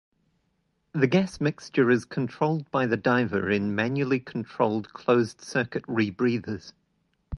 The gas mixture is controlled by the diver in manually controlled closed circuit rebreathers.